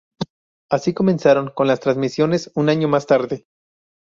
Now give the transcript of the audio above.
Así comenzaron con las transmisiones un año más tarde.